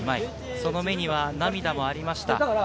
その目に涙がありました。